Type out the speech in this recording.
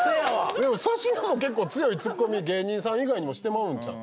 でも粗品も結構強いツッコミ芸人さん以外にもしてまうんちゃう？